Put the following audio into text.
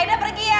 aida pergi ya